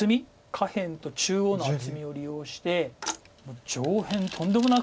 下辺と中央の厚みを利用して上辺とんでもなく。